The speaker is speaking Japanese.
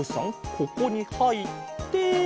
ここにはいって。